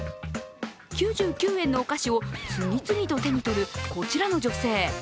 ９９円のお菓子を次々と手に取る、こちらの女性。